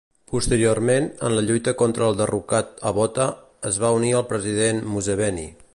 Posteriorment, en la lluita contra el derrocat Obote, es va unir al president Museveni.